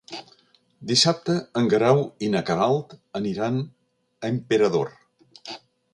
Dissabte en Guerau i na Queralt aniran a Emperador.